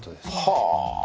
はあ！